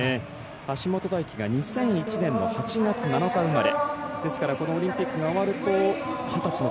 橋本大輝が２００１年の８月７日生まれ。